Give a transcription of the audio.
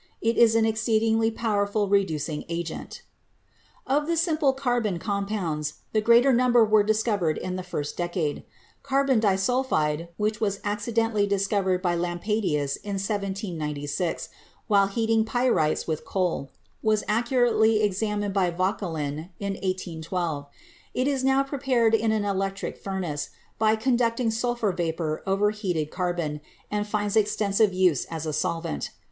It is an exceedingly powerful reducing agent. Of the simple carbon compounds, the greater number were discovered in the first decade. Carbon disulphide, which was accidentally discovered by Lampadius in 1796 while heating pyrites with coal, was accurately examined by Vauquelin in 1812. It is now prepared in an electric furnace, by conducting sulphur vapor over heated carbon, and finds extensive use as a solvent.